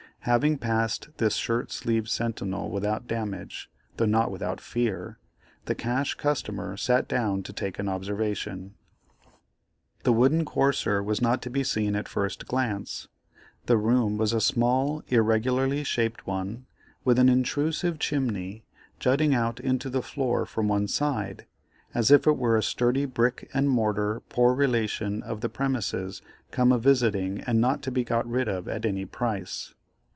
Having passed this shirt sleeved sentinel without damage, though not without fear, the Cash Customer sat down to take an observation. The wooden courser was not to be seen at first glance. The room was a small irregularly shaped one, with an intrusive chimney jutting out into the floor from one side, as if it were a sturdy brick and mortar poor relation of the premises come a visiting and not to be got rid of at any price.